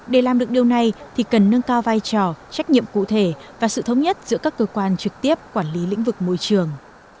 để làm được điều này thì cần nâng cao vai trò trách nhiệm cụ thể và sự thống nhất giữa các cơ quan trực tiếp quản lý lĩnh vực môi trường